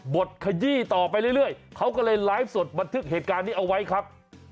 ดขยี้ต่อไปเรื่อยเขาก็เลยไลฟ์สดบันทึกเหตุการณ์นี้เอาไว้ครับ